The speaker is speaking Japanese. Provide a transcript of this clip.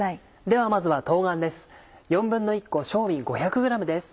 ではまずは冬瓜です。